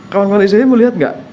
kalian kalian isinya melihat nggak